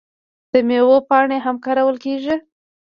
د میوو پاڼې هم کارول کیږي.